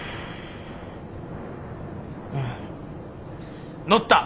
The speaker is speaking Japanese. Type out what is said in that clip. うん乗った！